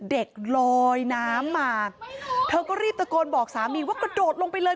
เด็กลอยน้ำมาเธอก็รีบตะโกนบอกสามีว่ากระโดดลงไปเลย